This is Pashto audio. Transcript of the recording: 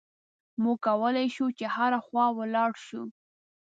موږ کولای شو چې هره خوا ولاړ شو.